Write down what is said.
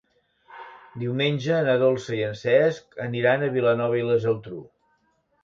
Diumenge na Dolça i en Cesc aniran a Vilanova i la Geltrú.